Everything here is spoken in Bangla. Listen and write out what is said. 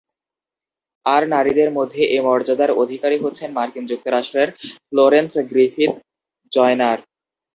আর নারীদের মধ্যে এ মর্যাদার অধিকারী হচ্ছেন মার্কিন যুক্তরাষ্ট্রের ফ্লোরেন্স গ্রিফিথ-জয়নার।